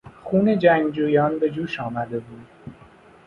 خون جنگجویان به جوش آمده بود.